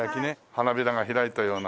花びらが開いたような。